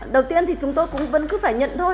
đầu tiên thì chúng tôi cũng vẫn cứ phải nhận thôi